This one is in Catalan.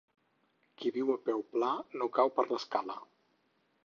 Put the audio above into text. Qui viu a peu pla no cau per l'escala.